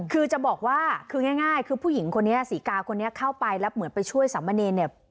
คือจะบอกว่าคือง่ายคือผู้หญิงคนนี้ศรีกาคนนี้เข้าไปแล้วเหมือนไปช่วยสามเณรเนี่ย